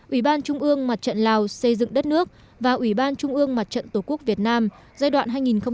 ủy ban trung mương mặt trận lào xây dựng đất nước và ủy ban trung mương mặt trận tổ quốc việt nam giai đoạn hai nghìn một mươi bảy hai nghìn hai mươi